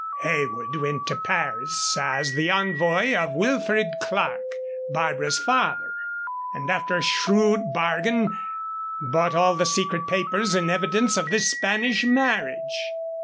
Heywood went to Paris as the envoy of Wilfred Clerke Barbara's father and, after a shrewd bargain, bought all the secret papers in evidence of this Spanish marriage."